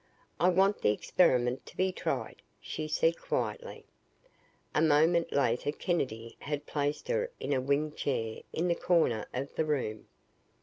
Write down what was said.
"I want the experiment to be tried," she said quietly. A moment later Kennedy had placed her in a wing chair in the corner of the room.